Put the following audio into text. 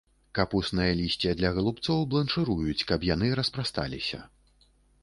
Капуснае лісце для галубцоў бланшыруюць, каб яны распрасталіся.